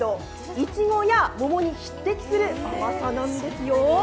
いちごや桃に匹敵する甘さなんですよ。